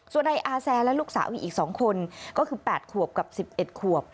ส่วนนายอาแซและลูกสาวอีก๒คนก็คือ๘ขวบกับ๑๑ขวบ